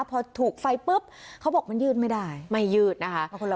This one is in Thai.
พอถูกไฟปุ๊บเขาบอกมันยืดไม่ได้ไม่ยืดนะคะ